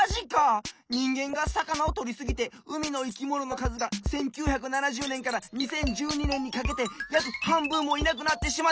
にんげんがさかなをとりすぎて海のいきもののかずが１９７０ねんから２０１２ねんにかけてやくはんぶんもいなくなってしまったって！